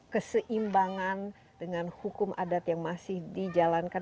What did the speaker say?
keseimbangan dengan hukum adat yang masih dijalankan